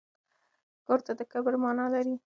ګور تل د کبر مانا لري.